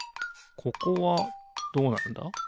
ここはどうなるんだ？